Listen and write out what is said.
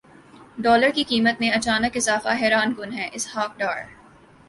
dollar کی قیمت میں اچانک اضافہ حیران کن ہے اسحاق ڈار